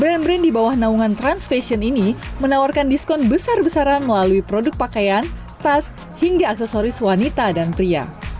brand brand di bawah naungan trans fashion ini menawarkan diskon besar besaran melalui produk pakaian tas hingga aksesoris wanita dan pria